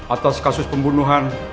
atas kasus pembunuhan